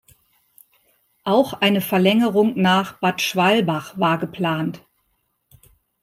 Auch eine Verlängerung nach Bad Schwalbach war geplant.